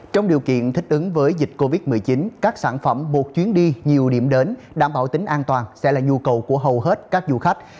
trong điều kiện thích ứng với dịch covid một mươi chín các sản phẩm buộc chuyến đi nhiều điểm đến đảm bảo tính an toàn sẽ là nhu cầu của hầu hết các du khách